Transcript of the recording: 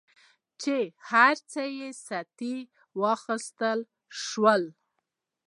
چې هر څه یې سطحي واخیستل شول.